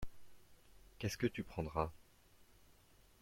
Qu'est-ce que tu prendras ?